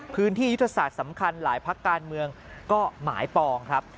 ยุทธศาสตร์สำคัญหลายพักการเมืองก็หมายปองครับ